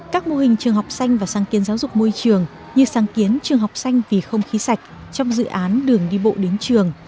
các mô hình trường học xanh và sáng kiến giáo dục môi trường như sáng kiến trường học xanh vì không khí sạch trong dự án đường đi bộ đến trường